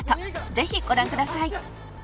ぜひご覧ください